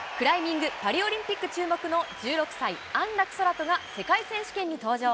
クライミング、パリオリンピック注目の１６歳、安楽宙斗が世界選手権に登場。